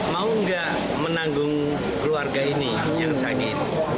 mau nggak menanggung keluarga ini yang sakit